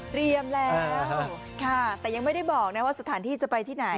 แล้วค่ะแต่ยังไม่ได้บอกนะว่าสถานที่จะไปที่ไหน